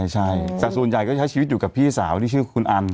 ใช่แต่ส่วนใหญ่ก็ใช้ชีวิตอยู่กับพี่สาวที่ชื่อคุณอัน